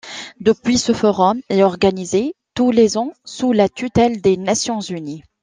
Depuis ce forum est organisé tous les ans sous la tutelle des Nations unies.